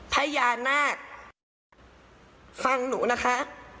พระยาหน้าฟังหนูนะคะ